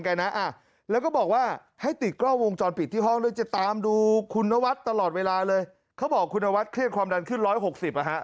เขาบอกคุณอาวัทรเครื่องความดันขึ้น๑๖๐